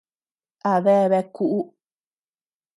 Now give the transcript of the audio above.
A deabea kuʼu.